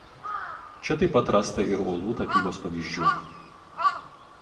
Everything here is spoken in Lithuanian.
Čia taip pat rasta ir uolų tapybos pavyzdžių.